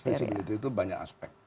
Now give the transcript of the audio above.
jadi visibility itu banyak aspek